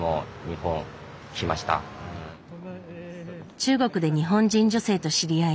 中国で日本人女性と知り合い